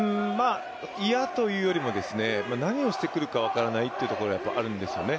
嫌というよりも何をしてくるか分からないというところがあるんですよね。